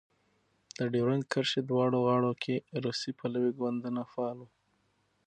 د ډیورند کرښې دواړو غاړو کې روسي پلوی ګوندونه فعال وو.